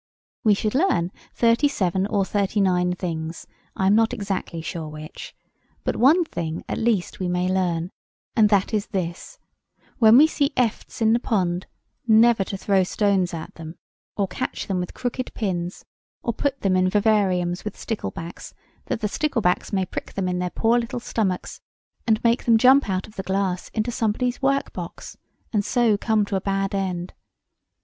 We should learn thirty seven or thirty nine things, I am not exactly sure which: but one thing, at least, we may learn, and that is this—when we see efts in the pond, never to throw stones at them, or catch them with crooked pins, or put them into vivariums with sticklebacks, that the sticklebacks may prick them in their poor little stomachs, and make them jump out of the glass into somebody's work box, and so come to a bad end.